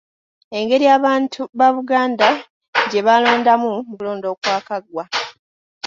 Engeri abantu ba Buganda gye baalondamu mu kulonda okwakagwa